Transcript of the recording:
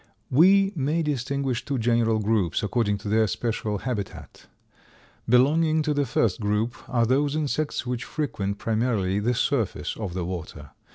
We may distinguish two general groups, according to their special habitat. Belonging to the first group are those insects which frequent, primarily, the surface of the water.